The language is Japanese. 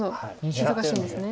忙しいんですね。